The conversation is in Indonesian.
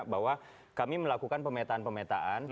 bahwa kami melakukan pemetaan pemetaan